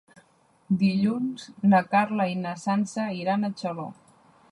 Dilluns na Carla i na Sança iran a Xaló.